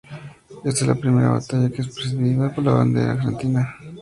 Esta es la primera batalla que es presidida por la bandera argentina.